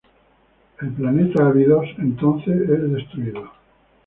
El Planeta Abydos entonces es destruido.